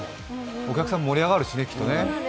お客さん、盛り上がるしね、きっとね。